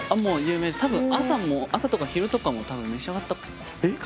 多分朝も朝とか昼とかも多分召し上がった方いると思います。